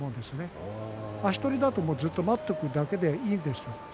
ただ足取りずっと待ってるだけでいいんですよ。